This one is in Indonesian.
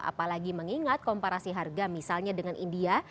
apalagi mengingat komparasi harga misalnya dengan india